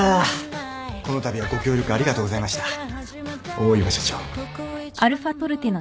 大岩社長。